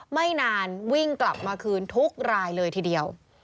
ไม่นานวิ่งกลับมาคืนทุกรายเลยทีเดียว